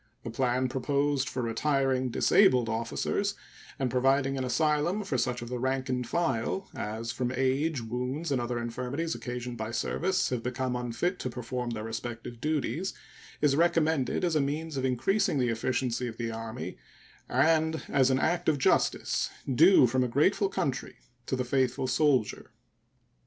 The plan proposed for retiring disabled officers and providing an asylum for such of the rank and file as from age, wounds, and other infirmities occasioned by service have become unfit to perform their respective duties is recommended as a means of increasing the efficiency of the Army and as an act of justice due from a grateful country to the faithful soldier.